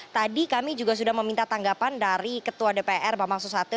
tadi kami juga sudah meminta tanggapan dari ketua dpr bambang susatyo